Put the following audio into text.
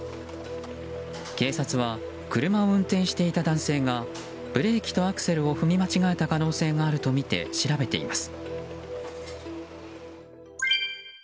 警察は、車を運転していた男性がブレーキとアクセルを踏み間違えた可能性があるとみて調べています。